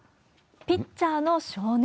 ピッチャーの少年。